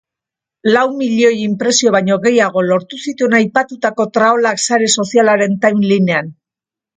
Lau milioi inpresio baino gehiago lortu zituen aipatutako traolak sare sozialaren timelinean.